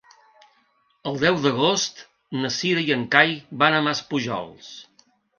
El deu d'agost na Cira i en Cai van a Maspujols.